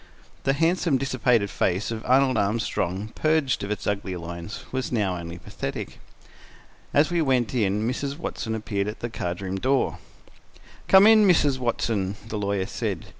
The handsome, dissipated face of Arnold Armstrong, purged of its ugly lines, was now only pathetic. As we went in Mrs. Watson appeared at the card room door. "Come in, Mrs. Watson," the lawyer said.